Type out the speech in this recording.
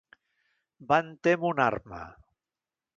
Van témer una arma.